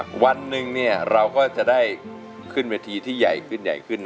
วันหนึ่งเนี่ยเราก็จะได้ขึ้นเวทีที่ใหญ่ขึ้นใหญ่ขึ้น